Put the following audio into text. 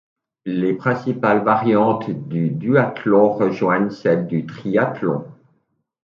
Les principales variantes du duathlon rejoignent celle du triathlon.